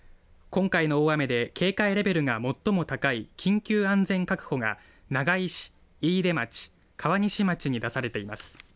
今回の大雨で警戒レベルが最も高い緊急安全確保が長井市、飯豊町、川西町に出されています。